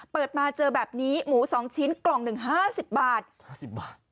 เปิดมาเจอแบบนี้หมูสองชิ้นกล่องหนึ่งห้าสิบบาทห้าสิบบาท